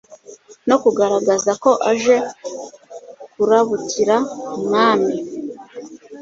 no kugaragaza ko aje kurabukira umwami